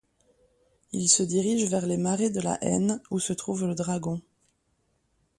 Il se dirige vers les marais de la Haine où se trouve le dragon.